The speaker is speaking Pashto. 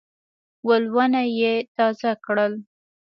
ولونه یې تازه کړل.